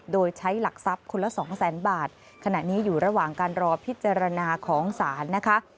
โดยใช้หลักทรัพย์คนละสองแสนบาทขณะนี้อยู่ระหว่างการรอพิจารณาของศาลนะคะ